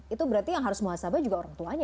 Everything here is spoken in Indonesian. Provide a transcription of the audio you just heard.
itu berarti yang harus muhasabah juga orang tuanya ya